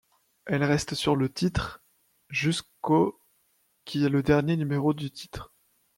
Elle reste sur le titre jusqu'au qui est le dernier numéro du titre.